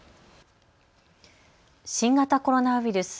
新型コロナウイルス。